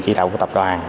chỉ đạo của tập đoàn